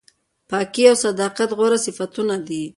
پاکي او صداقت غوره صفتونه دي.